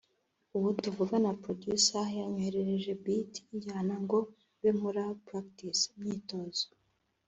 ubu tuvugana producer yanyoherereje beat(injyana) ngo mbe nkora practice(imyitozo)